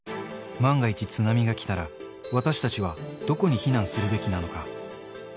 万が一、津波が来たら、私たちはどこに避難するべきなのか。